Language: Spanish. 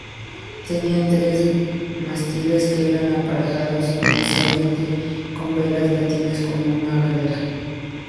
Tenía tres mástiles que eran aparejados inicialmente con velas latinas, como una galera.